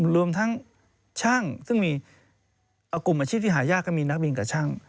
รวมทั้งช่างซึ่งมีกลุ่มอาชีพที่หายากก็มีนักบินกับช่าง